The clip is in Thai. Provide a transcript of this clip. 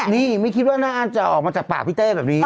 นี่ไม่คิดว่าน่าจะออกมาจากปากพี่เต้แบบนี้